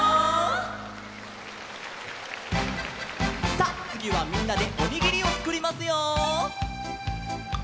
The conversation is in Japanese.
さあつぎはみんなでおにぎりをつくりますよ！